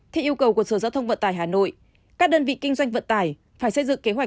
theo yêu cầu của sở giao thông vận tải hà nội các đơn vị kinh doanh vận tải phải xây dựng kế hoạch